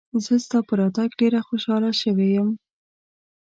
زه ستا په راتګ ډېر خوشاله شوی یم.